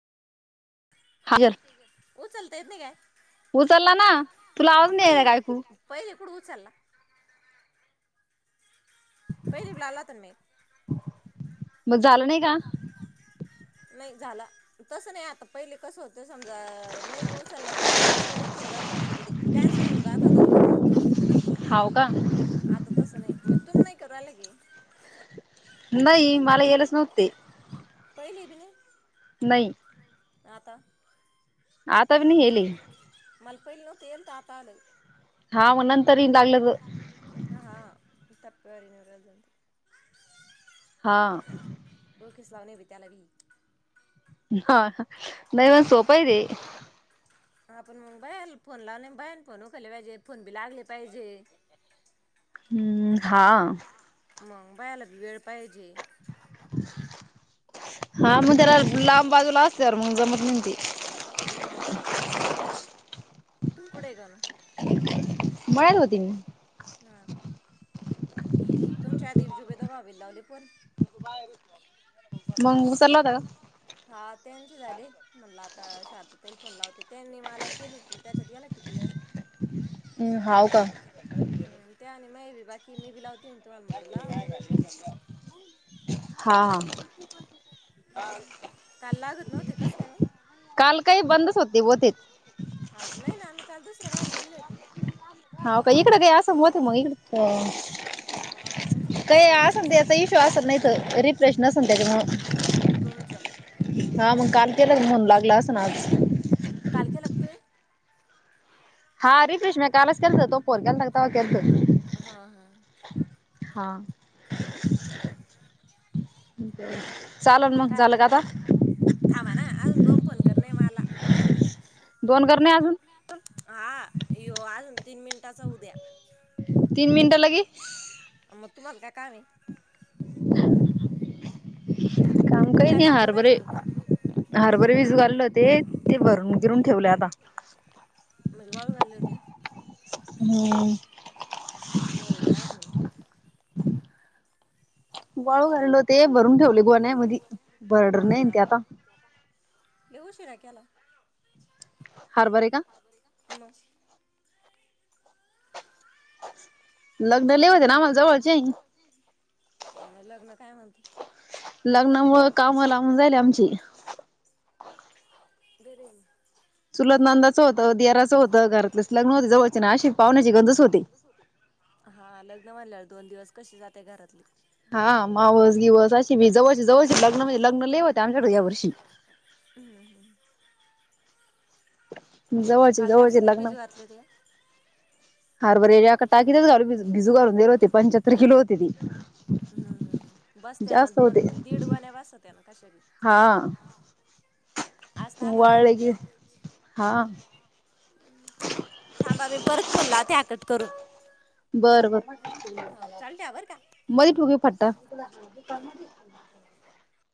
हजर ते येत नाही काय? उचलला ना तुला आवाज नाही रे गायकू? चला पहिलीला तुम्ही मग झालं नाही का? नाही झाला तस नाही आता पहिले कसं होत समजा नाही उचलला तर डिस्कनेक्ट होऊन जात होत म्हणजे ते कॅन्सल होऊन जात होता तो फोन? हाऊ आता तसं नाही म तुम नाही करलाय की. नाही मला यालच नव्हते. पहिलेबनी नाही. आता आताबनी यालय. मला पहिलं नव्हतं येत आत्ता आलय. हा नंतर येईन [unintelligible] तप वरी न राज जते [unintelligible] हाअ [unintelligible] हा नाही मग सोप हाय ते. हा पण मं भयालं फोन लावलंय भयाण फोन उकल्ले पाहिजे, फोन बी लागले पाहिजे. हम्म हाअ मग भयाला बी वेळ पाहिजे. हा मग त्याला लांब बाजूला असल्यावर मग जमत ते. मग तू कुठय गं अनु? बाहेर होते मी. ना क तुमच्या आधी बी जुबेदा भाबीला लावले फोन मग उचलला होता हा त्यांची झाले. म्हणलं शांतताई फोन लावत होते. त्यांनी मला केले त्याच्यात गेला किती वेळ. हम् हाव का? हम्म ते आणि बाकी मी बी लावते तुम्हांला म्हणल लाव हा हा हम्म. काल [unintelligible] लागत नव्हते कसं काय नू? काल काय बंदच होते होतेत. ह नाही ना मी काल दुसऱ्या वेळेला बोलले होते. हाव का इकडं बी असं बोतेक मग इकडं. हा तुमचं ते अ फोन व्यस्त असन याचा सांगत इशू असन नाही त रिफ्रेश नसन त्याच्यामुळं तुमचं हा मग काल केलं म्हणून लागलं असं न आज काल केलं का तुम्ही? हा रिफ्रेश म्या कालच केलतं तो फोन तेनला तेव् केलतं. हा हा! बरं चालल मग झालं का आता? करणे मला दोन कर नाही अजून हा यो आजून तीन मिनिटांचा होउद्या तीन मिनटं लगे. मग तुम्हाला काय काम हे. [inaudible] काम काही काय नाही काम करू हारबरे राहिले तुम्ही हारबरे भीजू आ घालेल होते ते भरून गिरून ठेवले आता. म्हणजे वाळू घालली होती हूं! होईल ना अजून. वाळू घालेल होत. ते भरून ठेवले गोन्यान मधी भरडर नाही ना ते आता. ऊशीरा केला. हरबरे का? म! लग्न लई होते ना आम्हाला जवळचे. मग लग्न काय म्हणते लग्नामुळं काम लाबून जायेले आमचि. [inaudible] चुलतनंदाच होतं, देराचं होतं, घरातलेच लग्न होते जवळचे ना अशी पाहुण्याची गनंजच होती. हा लग्न म्हनल्या वर दोन दिवस कसे जाताय घरातले. हा मावस बीवस अशी बी जवळचे जवळचे लग्न म्हणजे लग्न लईहोते आमच्याकडे ह्या वर्षी. हम्म, हम्म. जवळचे काल टाकले जवळचे लग्न. हरभरे एका टाकीतच घालून भिजू घालून दिले होते पंच्याहत्तर किलो होते ती बसत्याना जास्त होते दोन दीड गोण्या बसत्यांना कश्या बी हा आज त आभाळ आलं वाळले की हा थांबा मी परत फोन लाव. त्याॅकट. तरून. बर बर बरं का मध्ये ठु की फट्टा. [inaudible]